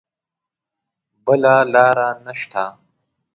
بله لاره نه شته.